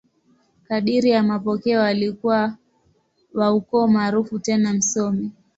Kadiri ya mapokeo, alikuwa wa ukoo maarufu tena msomi.